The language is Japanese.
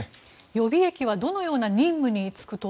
予備役はどのような任務に就くと